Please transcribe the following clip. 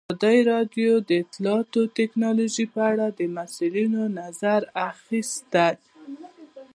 ازادي راډیو د اطلاعاتی تکنالوژي په اړه د مسؤلینو نظرونه اخیستي.